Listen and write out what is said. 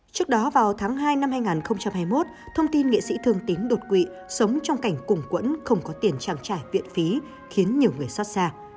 trước đó vào tháng hai năm hai nghìn hai mươi một thông tin nghệ sĩ thương tín đột quỵ sống trong cảnh cùng quẫn không có tiền trang trải viện phí khiến nhiều người xót xa